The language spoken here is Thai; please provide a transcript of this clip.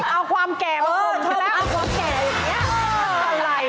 เอาความแก่มาปรบเจอแล้ว